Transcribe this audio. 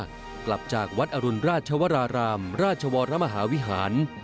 กลับจากวัดอรุณราชวรารามราชวรมหาวิหาร